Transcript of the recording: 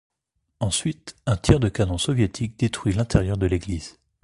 Ensuite, un tir de canon soviétique détruit l’intérieur de l’église.